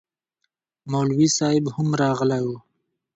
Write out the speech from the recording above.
مولوي صاحب هم راغلی و